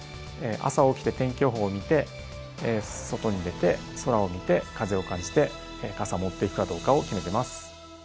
朝起きて天気予報を見て外に出て空を見て風を感じて傘を持っていくかどうかを決めてます。